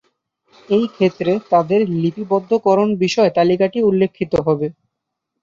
এই ক্ষেত্রে তাদের লিপিবদ্ধকরণবিষয় তালিকাটি উল্লিখিত হবে।